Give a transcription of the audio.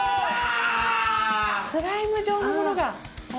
スライム状のものがあ